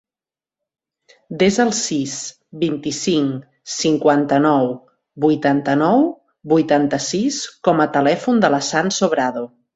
Desa el sis, vint-i-cinc, cinquanta-nou, vuitanta-nou, vuitanta-sis com a telèfon de l'Hassan Sobrado.